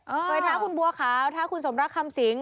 เคยท้าคุณบัวขาวท้าคุณสมรักคำสิง